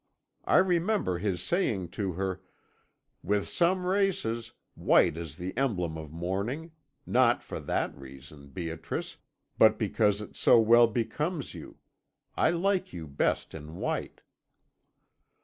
I remember his saying to her: "With some races, white is the emblem of mourning; not for that reason, Beatrice, but because it so well becomes you, I like you best in white.'